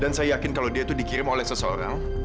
dan saya yakin kalau dia itu dikirim oleh seseorang